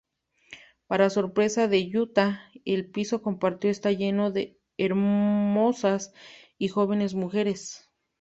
Para sorpresa de Yuta, el piso compartido está lleno de hermosas y jóvenes mujeres.